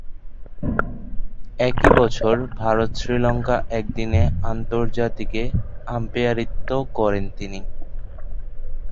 একই বছর ভারত-শ্রীলঙ্কার একদিনের আন্তর্জাতিকে আম্পায়ারিত্ব করেন তিনি।